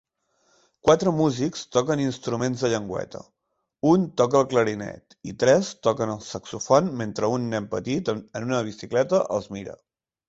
Quatre músics toquen instruments de llengüeta: un toca el clarinet i tres toquen el saxòfon mentre un nen petit en una bicicleta els mira.